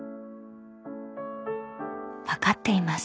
［分かっています。